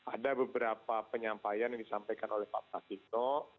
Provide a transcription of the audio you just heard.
ada beberapa penyampaian yang disampaikan oleh pak pratikno